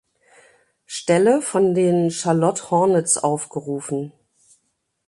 Stelle von den Charlotte Hornets aufgerufen.